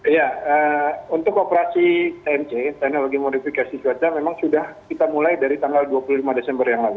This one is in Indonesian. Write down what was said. ya untuk operasi tmc teknologi modifikasi cuaca memang sudah kita mulai dari tanggal dua puluh lima desember yang lalu